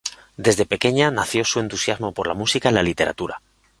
Desde pequeña nació su entusiasmo por la música y la literatura.